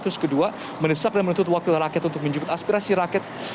terus kedua mendesak dan menuntut wakil rakyat untuk menjemput aspirasi rakyat